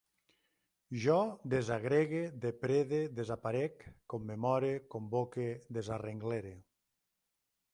Jo desagregue, deprede, desaparec, commemore, convoque, desarrenglere